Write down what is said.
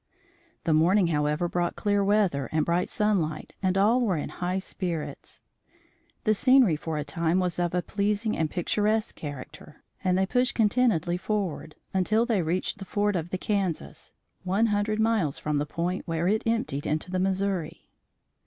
The morning, however, brought clear weather and bright sunlight, and all were in high spirits. The scenery for a time was of a pleasing and picturesque character, and they pushed contentedly forward, until they arrived at the ford of the Kansas, one hundred miles from the point where it emptied into the Missouri.